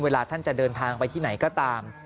เวลาท่านจะเดินทางไปที่ไหนก็ตาม